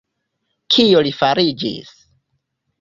Kio li fariĝis?